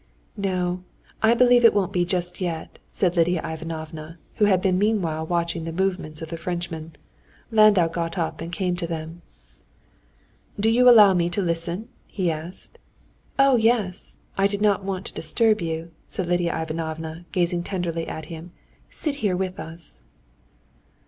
"No, I believe it won't be just yet," said Lidia Ivanovna, who had been meanwhile watching the movements of the Frenchman. Landau got up and came to them. "Do you allow me to listen?" he asked. "Oh, yes; I did not want to disturb you," said Lidia Ivanovna, gazing tenderly at him; "sit here with us."